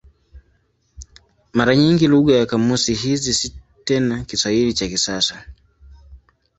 Mara nyingi lugha ya kamusi hizi si tena Kiswahili cha kisasa.